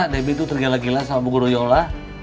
debbie tuh tergila gilah sama bu goro yola